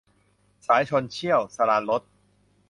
สายชลเชี่ยว - สราญรส